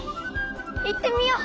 いってみよう。